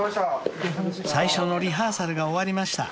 ［最初のリハーサルが終わりました］